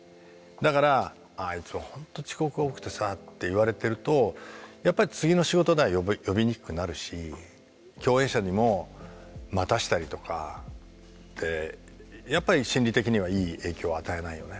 だから「あいつはほんと遅刻が多くてさ」って言われてるとやっぱり次の仕事には呼びにくくなるし共演者にも待たせたりとかってやっぱり心理的にはいい影響を与えないよね。